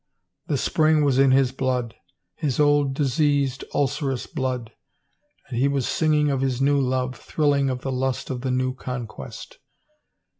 The spring was in his blood, his old diseased, ulcerous blood, and he was sing ing of his new love, thrilling of the lust of the new con quest.